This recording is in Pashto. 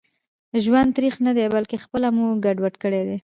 ژوند تريخ ندي بلکي خپله مو ګډوډ کړي دي